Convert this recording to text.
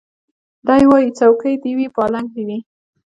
دی وايي څوکۍ دي وي پالنګ دي وي